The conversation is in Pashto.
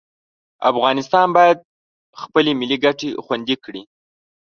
افغانستان باید خپلې ملي ګټې خوندي کړي.